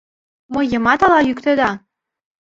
Мыйымат ала йӱктеда?..